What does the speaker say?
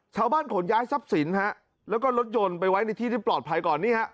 ขนย้ายทรัพย์สินฮะแล้วก็รถยนต์ไปไว้ในที่ที่ปลอดภัยก่อนนี่ฮะ